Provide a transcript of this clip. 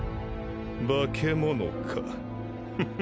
化け物かフフ。